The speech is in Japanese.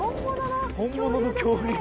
本物の恐竜？